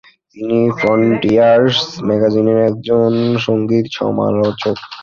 তিনি "ফ্রন্টিয়ারস" ম্যাগাজিনের একজন সঙ্গীত সমালোচক।